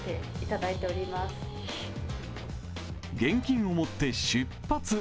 現金を持って出発。